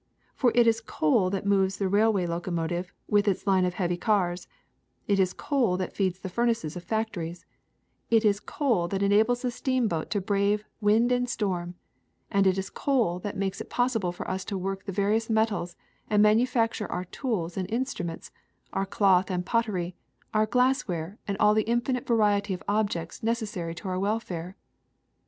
For it is coal that moves the railway locomotive, with its line of heavy cars ; it is coal that feeds the furnaces of factories; it is coal 12£ THE SECRET OF EVERYDAY THINGS that enables the steamboat to brave wind and storm ; and it is coal that makes it possible for us to work the various metals and manufacture our tools and in struments, our cloth and pottery, our glassware and all the infinite variety of objects necessary to our welfare.